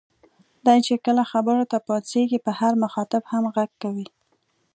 دی چې کله خبرو ته پاڅېږي په هر مخاطب هم غږ کوي.